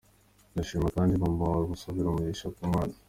Ndashima kandi mama wawe musabira umugisha ku Mana.